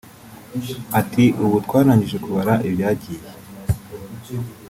Ati “Ubu twarangije kubara ibyagiye